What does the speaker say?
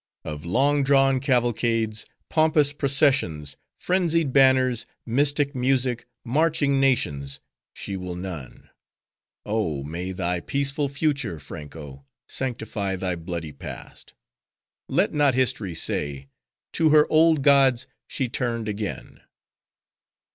Of long drawn cavalcades, pompous processions, frenzied banners, mystic music, marching nations, she will none. Oh, may thy peaceful Future, Franko, sanctify thy bloody Past. Let not history say; 'To her old gods, she turned again.